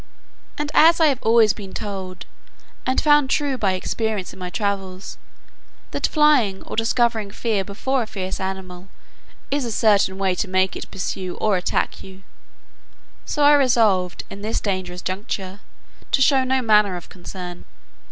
And as I have been always told, and found true by experience in my travels, that flying or discovering fear before a fierce animal, is a certain way to make it pursue or attack you, so I resolved, in this dangerous juncture, to show no manner of concern.